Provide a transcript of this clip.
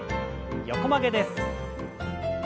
横曲げです。